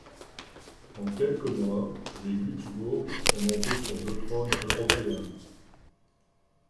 En quelques mois, les Glücksbourg sont montés sur deux trônes européens.